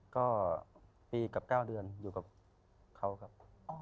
ก็ปีกับ๙เดือนอยู่กับเขาครับ